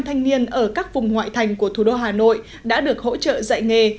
năm thanh niên ở các vùng ngoại thành của thủ đô hà nội đã được hỗ trợ dạy nghề